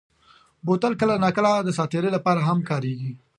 بوتل کله ناکله د ساعت تېرۍ لپاره هم کارېږي.